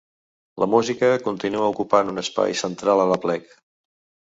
La música continua ocupant un espai central a l’aplec.